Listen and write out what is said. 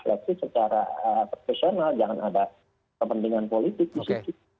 ya harus juga di deskripsi secara profesional jangan ada kepentingan politik misalnya gitu